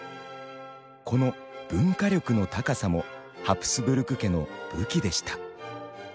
この「文化力の高さ」もハプスブルク家の武器でした。